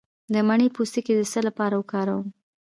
د مڼې پوستکی د څه لپاره وکاروم؟